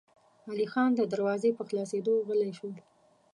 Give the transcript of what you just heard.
علی خان د دروازې په خلاصېدو غلی شو.